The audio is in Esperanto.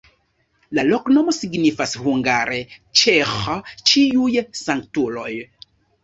La loknomo signifas hungare: "ĉeĥa-ĉiuj-sanktuloj".